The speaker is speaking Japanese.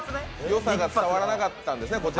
よさが伝わらなかったんですね。